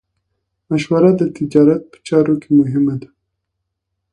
مشوره د تجارت په چارو کې مهمه ده.